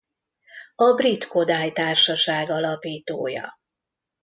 A Brit Kodály Társaság alapítója.